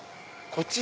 こっち